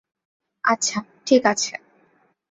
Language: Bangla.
আচ্ছা ঠিক আছে।